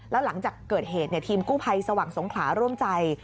แล้วหลังจากเกิดเหตุทีมกู้ภัยสว่างสงขลาร่วมใจ